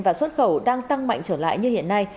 và xuất khẩu đang tăng mạnh trở lại như hiện nay